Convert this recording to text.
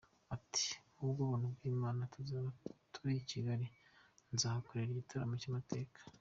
Ati “Ku bw’ubuntu bw’Imana, tuzaba turi i Kigali, nzahakorera igitaramo cy’amateka.